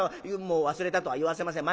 もう忘れたとは言わせません。